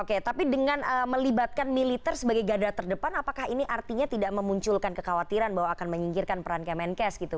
oke tapi dengan melibatkan militer sebagai gadar terdepan apakah ini artinya tidak memunculkan kekhawatiran bahwa akan menyingkirkan peran kemenkes gitu